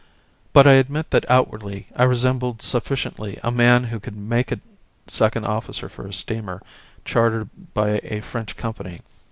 But I admit that outwardly I resembled sufficiently a man who could make a second officer for a steamer chartered by a French company.